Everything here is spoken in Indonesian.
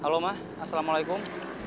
halo mah assalamualaikum